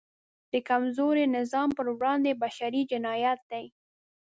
د کمزوري نظام پر وړاندې بشری جنایت دی.